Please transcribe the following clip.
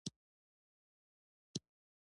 پسه د افغانستان د دوامداره پرمختګ لپاره اړین دي.